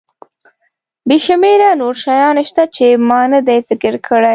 بې شمېره نور شیان شته چې ما ندي ذکر کړي.